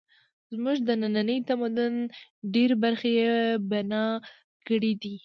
زموږ د ننني تمدن ډېرې برخې یې بنا کړې دي.